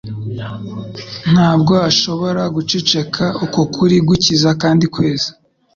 Ntabwo ashobora guceceka uko kuri gukiza kandi kweza.